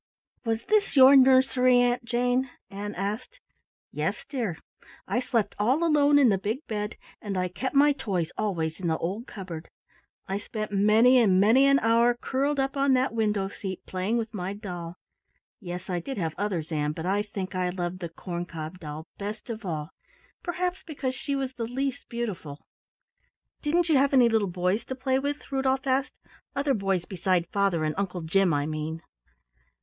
"Was this your nursery, Aunt Jane," Ann asked. "Yes, dear. I slept all alone in the big bed, and I kept my toys always in the old cupboard. I spent many and many an hour curled up on that window seat, playing with my doll. Yes, I did have others, Ann, but I think I loved the corn cob doll best of all, perhaps because she was the least beautiful." "Didn't you have any little boys to play with?" Rudolf asked. "Other boys beside father and Uncle Jim, I mean."